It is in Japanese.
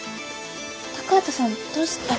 高畑さんどうしたの？